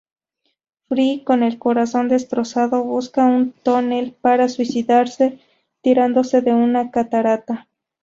Fry, con el corazón destrozado, busca un tonel para suicidarse tirándose de una catarata.